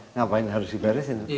ngapain harus diberesin